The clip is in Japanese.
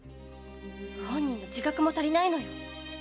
本人の自覚も足りないのよ。